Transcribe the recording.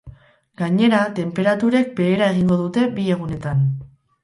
Gainera, tenperaturek behera egingo dute bi egunetan.